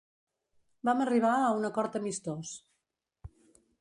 Vam arribar a un acord amistós.